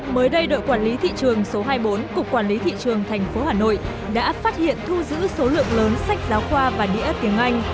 mới đây đội quản lý thị trường số hai mươi bốn cục quản lý thị trường tp hà nội đã phát hiện thu giữ số lượng lớn sách giáo khoa và đĩa tiếng anh